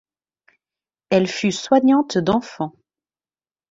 Elle fut soignante d'enfants.